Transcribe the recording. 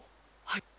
はい。